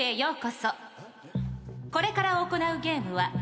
これから行うゲームは。